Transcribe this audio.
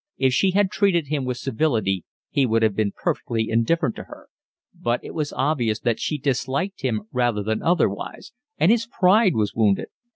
If she had treated him with civility he would have been perfectly indifferent to her; but it was obvious that she disliked him rather than otherwise, and his pride was wounded.